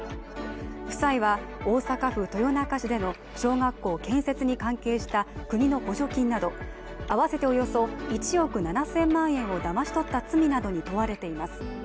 夫妻は大阪府豊中市での小学校建設に関係した国の補助金など、合わせておよそ１億７０００万円をだまし取った罪などに問われています。